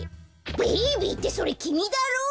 「ベイビー」ってそれきみだろう！